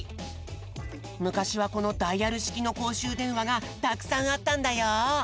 むかしはこのダイヤルしきのこうしゅうでんわがたくさんあったんだよ。